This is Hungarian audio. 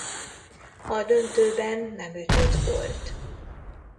A döntőben nem ütött gólt.